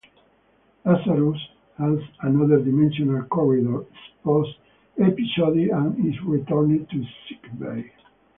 Lazarus has another "dimensional corridor" episode and is returned to sickbay.